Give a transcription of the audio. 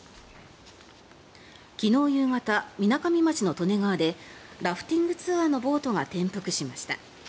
昨日夕方みなかみ町の利根川でラフティングツアーのボートが転覆しました。